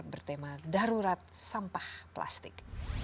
bertema darurat sampah plastik